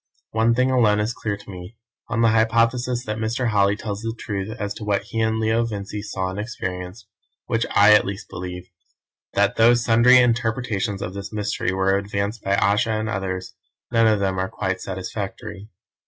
One thing alone is clear to me on the hypothesis that Mr. Holly tells the truth as to what he and Leo Vincey saw and experienced, which I at least believe that though sundry interpretations of this mystery were advanced by Ayesha and others, none of them are quite satisfactory.